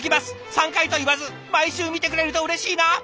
３回と言わず毎週見てくれるとうれしいな！